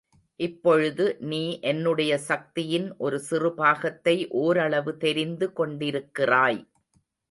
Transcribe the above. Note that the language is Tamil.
இப்பொழுது நீ என்னுடைய சக்தியின் ஒரு சிறுபாகத்தை ஓரளவு தெரிந்து கொண்டிருக்கிறாய்.